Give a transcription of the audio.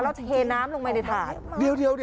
แล้วเทน้ำลงไปในถ่าน